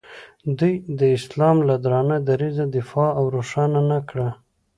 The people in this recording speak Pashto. دوی د اسلام له درانه دریځه دفاع او روښانه نه کړ.